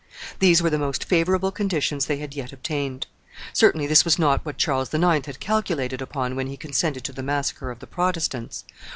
These were the most favorable conditions they had yet obtained. Certainly this was not what Charles IX. had calculated upon when he consented to the massacre of the Protestants.